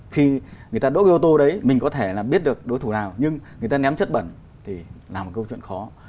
khi người ta đốt cái ô tô đấy mình có thể là biết được đối thủ nào nhưng người ta ném chất bẩn thì là một câu chuyện khó